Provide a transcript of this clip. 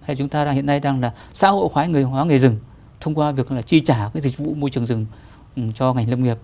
hay là chúng ta hiện nay đang xã hội hóa nghề rừng thông qua việc chi trả dịch vụ môi trường rừng cho ngành lâm nghiệp